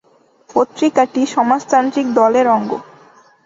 পত্রিকাটি সমাজতান্ত্রিক দলের অঙ্গ।